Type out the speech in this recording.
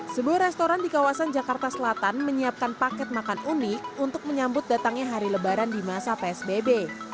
sebuah restoran di kawasan jakarta selatan menyiapkan paket makan unik untuk menyambut datangnya hari lebaran di masa psbb